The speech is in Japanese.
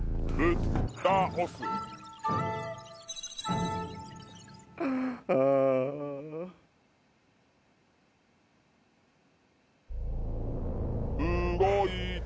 ぶっ倒す動いた